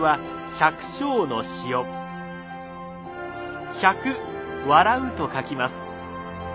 「百」「笑う」と書きます。